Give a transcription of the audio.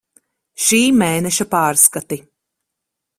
Šī mēneša pārskati.